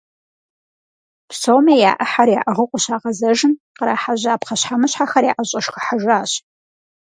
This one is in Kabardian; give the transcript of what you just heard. Псоми я Ӏыхьэр яӀыгъыу къыщагъэзэжым, кърахьэжьа пхъэщхьэмыщхьэхэр яӀэщӀэшхыхьащ.